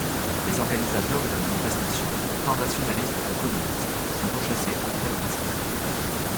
Les organisateurs de la manifestation, tant nationalistes que communistes, sont pourchassés après le massacre.